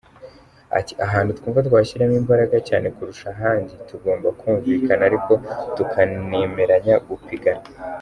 Ati “Ahantu twumva twashyiramo imbaraga cyane kurusha ahandi, tugomba kumvikana ariko tukanemeranya gupigana.